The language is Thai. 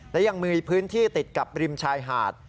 และยังมีพื้นที่ติดกับริมชายหาด